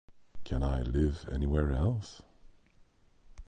Can I live anywhere else?